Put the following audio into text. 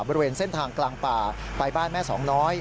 บริเวณเส้นทางกลางป่าไปบ้านแม่สองน้อย